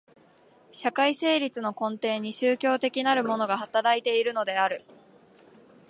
社会成立の根底に宗教的なるものが働いているのである。